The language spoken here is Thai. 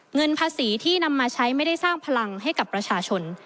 เงินภาษีที่นำมาใช้ไม่ได้สร้างพลังให้กับประชาชน